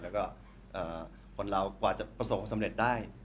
แล้วก็คนเรากว่าจะประสบความสำเร็จได้